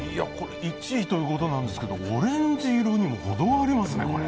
１位ということなんですけどオレンジ色にも程がありますね、これ。